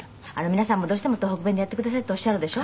皆さんもどうしても東北弁でやってくださいっておっしゃるでしょ？